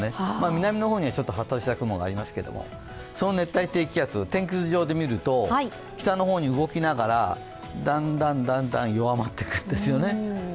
南の方には、ちょっと発達した雲がありますけれども、その熱帯低気圧、天気図上で見ると北の方に動きながらだんだんだんだん弱まってくるんですよね。